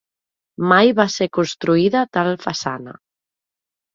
Mai va ser construïda tal façana.